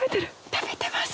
食べてます